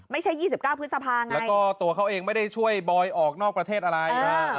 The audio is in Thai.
ไม่ใช่๒๙พฤษภาไงแล้วก็ตัวเขาเองไม่ได้ช่วยบอยออกนอกประเทศอะไร